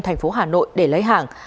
thành phố hà nội để lấy hàng